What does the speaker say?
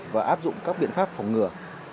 và áp dụng các biện pháp phòng ngừa